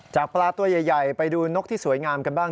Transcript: ปลาตัวใหญ่ไปดูนกที่สวยงามกันบ้าง